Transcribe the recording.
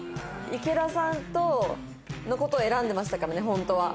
池田さんの事を選んでましたからねホントは。